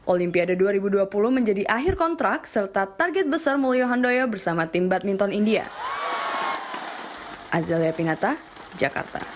olimpiade dua ribu dua puluh menjadi akhir kontrak serta target besar mulyo handoyo bersama tim badminton india